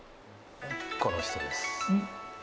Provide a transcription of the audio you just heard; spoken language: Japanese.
この人です。